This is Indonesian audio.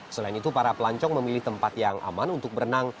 selain itu para pelancong memilih tempat yang aman untuk berenang